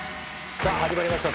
さぁ始まりました